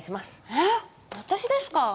えっ私ですか？